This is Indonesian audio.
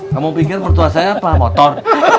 kamu pikir mertua saya apa motor